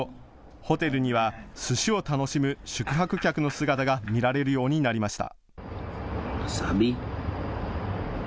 ホテルにはすしを楽しむ宿泊客の姿が見られるようになりました。